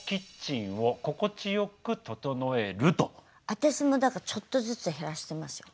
私もだからちょっとずつ減らしてますよ。